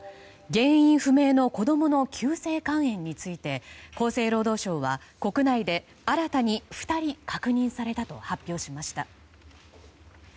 原因不明の子供の急性肝炎について厚生労働省は国内で、新たに２人確認されたと発表しました。